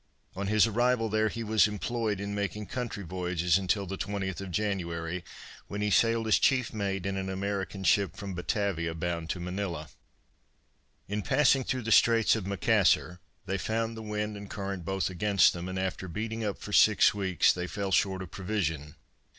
On his arrival there he was employed in making country voyages until the 20th of January, when he sailed as chief mate in an American ship from Batavia bound to Manilla. In passing through the straits of Macassar, they found the wind and current both against them, and after beating up for six weeks they fell short of provision.